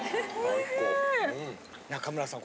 中村さん